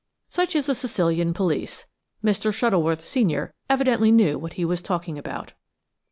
Such is the Sicilian police. Mr. Shuttleworth, senior, evidently knew what he was talking about.